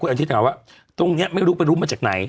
คุณอนุทิกบอกว่าตรงนี้ไม่รู้เป็นรู้มาจากไหน